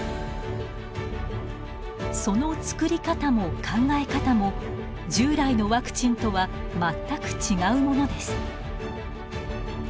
その作り方も考え方も従来のワクチンとは全く違うものです。